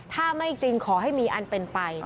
ถ้าไม่จริงขอให้มีอันเป็นไป